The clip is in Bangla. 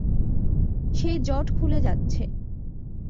সেই জট খুলে যাচ্ছে।